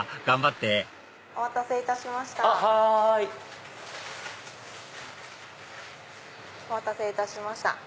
頑張ってお待たせいたしました。